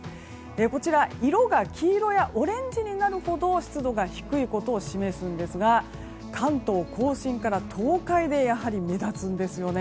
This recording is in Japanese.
こちら色が黄色やオレンジになるほど湿度が低いことを示すんですが関東・甲信から東海でやはり目立つんですよね。